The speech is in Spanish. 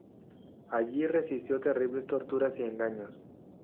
Allí resistió terribles torturas y engaños.